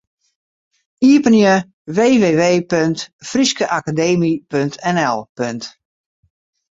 Iepenje www.fryskeakademy.nl.